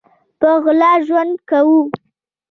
په غلا ژوند کوو